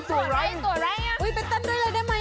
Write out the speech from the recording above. ไปเต้นด้วยเลยได้ไหม